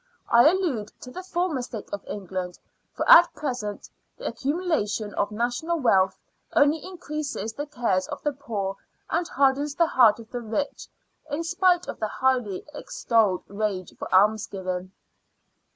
I allude to the former state of England; for at present the accumulation of national wealth only increases the cares of the poor, and hardens the hearts of the rich, in spite of the highly extolled rage for almsgiving.